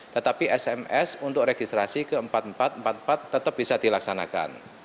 tetapi sms untuk registrasi ke empat ribu empat ratus empat puluh empat tetap bisa dilaksanakan